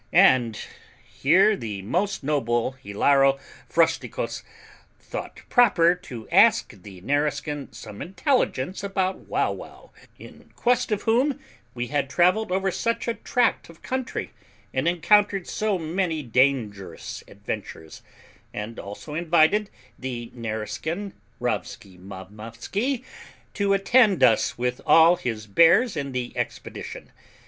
And here the most noble Hilaro Frosticos thought proper to ask the Nareskin some intelligence about Wauwau, in quest of whom we had travelled over such a tract of country, and encountered so many dangerous adventures, and also invited the Nareskin Rowskimowmowsky to attend us with all his bears in the expedition.